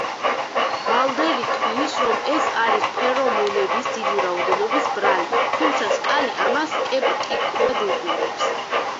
მალდერი თვლის, რომ ეს არის ფერომონების დიდი რაოდენობის ბრალი, თუმცა სკალი ამას სკეპტიკურად უყურებს.